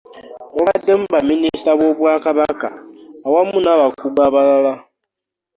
Mubaddemu ba minisita b'obwakabaka awamu n'abakungu abalala